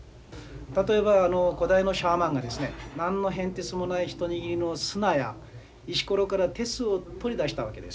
例えば古代のシャーマンがですね何の変哲もない一握りの砂や石ころから鉄を取り出したわけですよね。